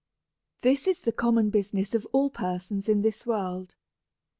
This is the common business of all persons in this world.